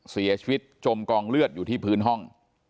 เสียชีวิตจมกองเลือดอยู่ที่พื้นห้อง